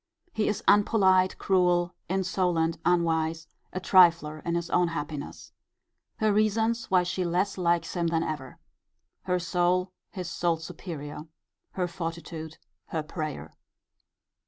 He is unpolite, cruel, insolent, unwise, a trifler in his own happiness. Her reasons why she less likes him than ever. Her soul his soul's superior. Her fortitude. Her prayer.